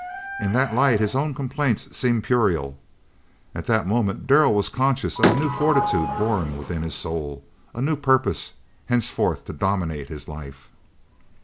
In that light his own complaints seemed puerile. At that moment Darrell was conscious of a new fortitude born within his soul; a new purpose, henceforth to dominate his life.